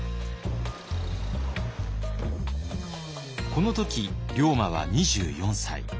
この時龍馬は２４歳。